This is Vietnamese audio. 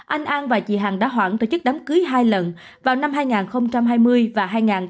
anh an và chị hằng đã khoản tổ chức đám cưới hai lần vào năm hai nghìn hai mươi và hai nghìn hai mươi một